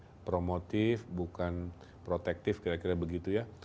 yang promotif bukan protektif kira kira begitu ya